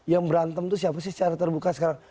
yang berantem itu siapa sih secara terbuka sekarang